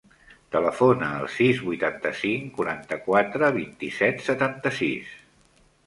Telefona al sis, vuitanta-cinc, quaranta-quatre, vint-i-set, setanta-sis.